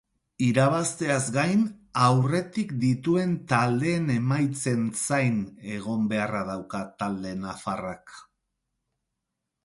Irabazteaz gain aurretik dituen taldeen emaitzen zain egon beharra dauka talde nafarrak.